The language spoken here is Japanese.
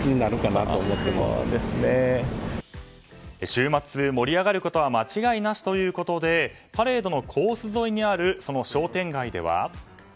週末盛り上がることは間違いなしということでパレードのコース沿いにある商店街では。